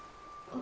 あ。